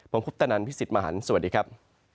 ผมพุทธนันต์พิสิทธิ์มหันต์สวัสดีครับ